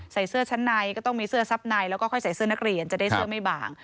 ใส่เสื้อชั้นในก็ต้องมีเสื้อซับในแล้วก็ค่อยใส่เสื้อนักเรียนจะได้เสื้อไม่บาง